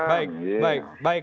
baik baik baik